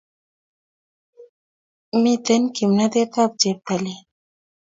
Mitei kimnatet ab cheptailel